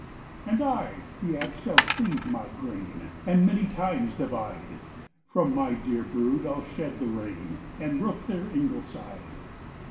"And I the ax shall cleave my grain, And many times divide; From my dear brood I'll shed the rain, And roof their ingleside."